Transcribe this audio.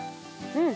うん！